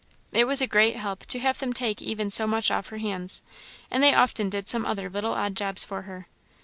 It was a great help to have them take even so much off her hands; and they often did some other little odd jobs for her.